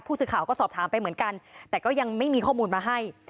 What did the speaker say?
ผู้สื่อข่าวก็สอบถามไปเหมือนกันแต่ก็ยังไม่มีข้อมูลมาให้